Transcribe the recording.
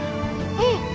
うん。